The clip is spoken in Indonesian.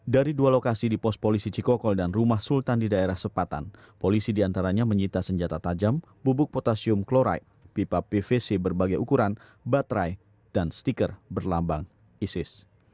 dari dua lokasi di pos polisi cikokol dan rumah sultan di daerah sepatan polisi diantaranya menyita senjata tajam bubuk potasium klorai pipa pvc berbagai ukuran baterai dan stiker berlambang isis